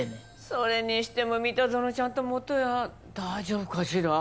それにしても三田園ちゃんともとやん大丈夫かしら？